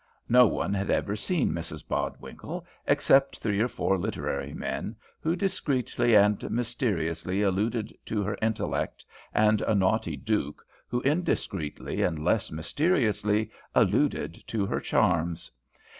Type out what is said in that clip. No one had ever seen Mrs Bodwinkle, except three or four literary men, who discreetly and mysteriously alluded to her intellect, and a naughty duke, who indiscreetly and less mysteriously alluded to her charms.